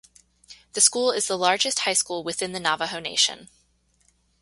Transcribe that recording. The school is the largest high school within the Navajo nation.